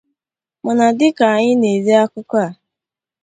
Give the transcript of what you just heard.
Mana dịka anyị na-ede akụkọ a